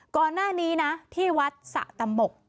ก่อนหน้านี้นะที่วัดสะตมก